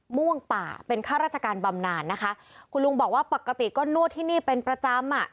ม่วงป่าเป็นข้าราชการบำนานนะคะคุณลุงบอกว่าปกติก็นวดที่นี่เป็นประจำอ่ะ